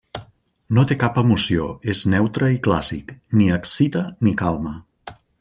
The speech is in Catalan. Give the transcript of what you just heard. No té cap emoció, és neutre i clàssic, ni excita ni calma.